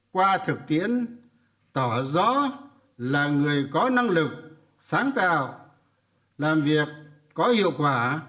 qua thực tiễn tỏ rõ là người có năng lực sáng tạo làm việc có hiệu quả